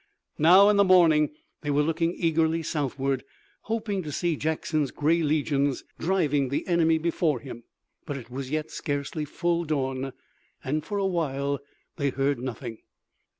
Now in the morning they were looking eagerly southward, hoping to see Jackson's gray legions driving the enemy before him. But it was yet scarcely full dawn, and for a while they heard nothing.